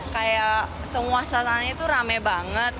kayak semua setan itu rame banget